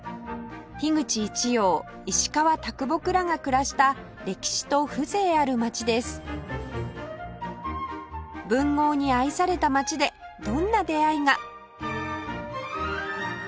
口一葉石川木らが暮らした歴史と文豪に愛された街でどんな出会いが？